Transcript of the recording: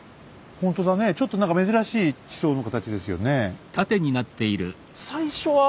ほんとだねちょっと何か珍しい地層の形ですよね。